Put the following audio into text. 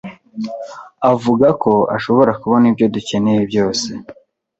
avuga ko ashobora kubona ibyo dukeneye byose.